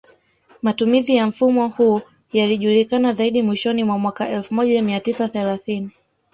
Matumizi ya mfumo huu yalijulikana zaidi mwishoni mwa mwaka elfu moja mia tisa thelathini